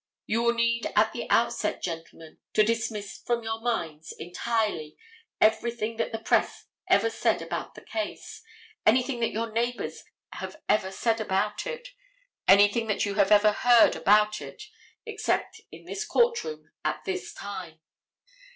You will need at the outset, gentlemen, to dismiss from your minds entirely everything that the press ever said about the case, anything that your neighbors have ever said about it, anything that you have ever heard about it except in this court room at this time.